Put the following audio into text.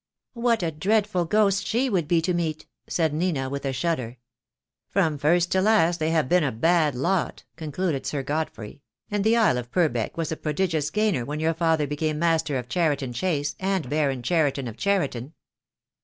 "What a dreaful ghost she would be to meet," said Nita, with a shudder. "From first to last they have been a bad lot," con cluded Sir Godfrey, "and the Isle of Purbeck was a prodigious gainer when your father became master of Cheriton Chase and Baron Cheriton of Cheriton."